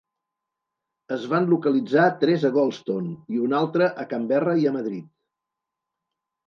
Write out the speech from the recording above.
Es van localitzar tres a Goldstone, i un altre a Canberra i a Madrid.